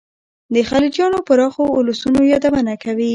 د خلجیانو پراخو اولسونو یادونه کوي.